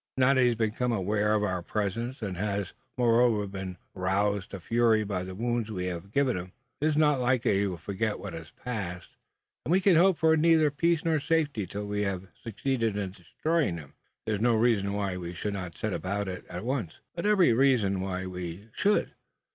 Now that he has become aware of our presence, and has, moreover, been roused to fury by the wounds we have given him, it is not likely he will forget what has passed; and we can hope for neither peace nor safety till we have succeeded in destroying him. There is no reason why we should not set about it at once, but every reason why we should.